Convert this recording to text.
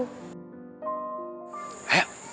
kebenaran yang mas rafi tunjukkan ke aku